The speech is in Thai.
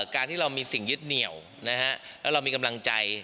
การที่เรามีสิ่งยึดเหนียวแล้วเรามีกำลังใจ